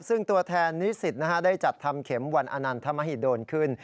ซึ่งตัวแทนนิสิตได้จัดทำเข็มวันอนันทมหิดลขึ้น